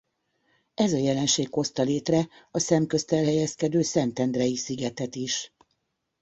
Ez a jelenség hozta létre a szemközt elhelyezkedő Szentendrei-szigetet is.